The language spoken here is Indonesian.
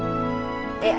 aduh aduh aduh